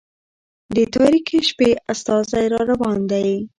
د تاريكي شپې استازى را روان دى